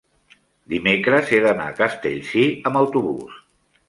dimecres he d'anar a Castellcir amb autobús.